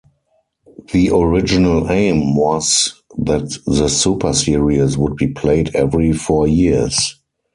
The original aim was that the Super Series would be played every four years.